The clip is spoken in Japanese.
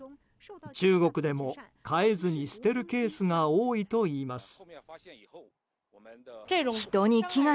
中国でも飼えずに捨てるケースが多いといいます。